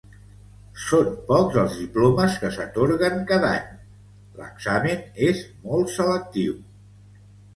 Són pocs els diplomes que s'atorguen cada any; l'examen és molt selectiu.